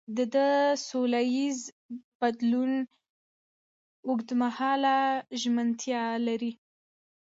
ده د سولهییز بدلون اوږدمهاله ژمنتیا لري.